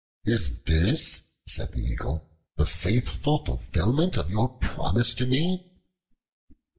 "Is this," said the Eagle, "the faithful fulfillment of your promise to me?"